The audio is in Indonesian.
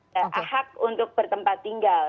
dan hak untuk bertempat tinggal